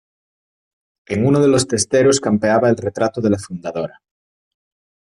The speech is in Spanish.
en uno de los testeros campeaba el retrato de la fundadora